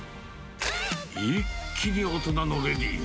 一気に大人のレディーに。